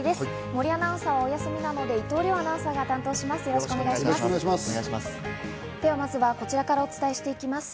森アナウンサーはお休みなので、伊藤遼アナウンサーが担当します。